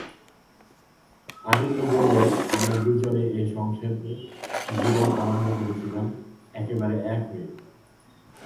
আদিত্য বললে, আমরা দুজনে এ সংসারে জীবন আরম্ভ করেছিলেম একেবারে এক হয়ে।